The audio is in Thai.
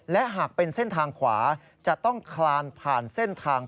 และหากเป็นเส้นทางขวาจะต้องคลานผ่านเส้นทาง